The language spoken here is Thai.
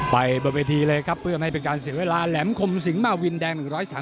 บนเวทีเลยครับเพื่อไม่เป็นการเสียเวลาแหลมคมสิงหมาวินแดง๑๓